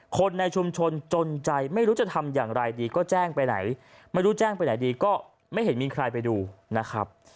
คนในชุมชนจนใจไม่รู้จะทำอย่างไรดีก็แจ้งไปไหนไม่รู้แจ้งไปไหนดีก็ไม่เห็นมีใครไปดูนะครับ